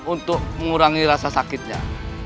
untuk mengurangi rasa sakitnya